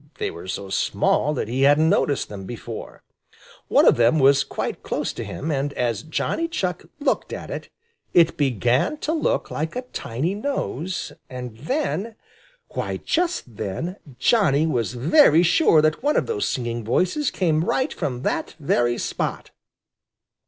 They were so small that he hadn't noticed them before. One of them was quite close to him, and as Johnny Chuck looked at it, it began to look like a tiny nose, and then why, just then, Johnny was very sure that one of those singing voices came right from that very spot!